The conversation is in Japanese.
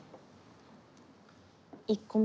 １個目。